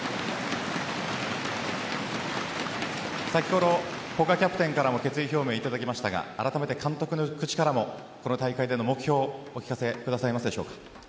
先ほど、古賀キャプテンからも決意表明をいただきましたがあらためて監督の口からもこの大会での目標をお聞かせくださいますでしょうか。